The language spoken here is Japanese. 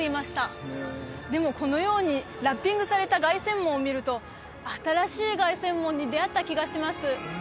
このようにラッピングされた凱旋門を見ると新しい凱旋門に出会った気がします